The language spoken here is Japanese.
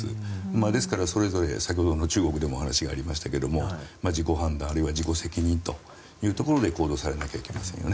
ですから、それぞれ先ほどの中国でもお話がありましたが自己判断あるいは自己責任というところで行動されなければいけませんよね。